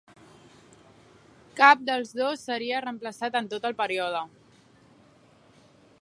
Cap dels dos seria reemplaçat en tot el període.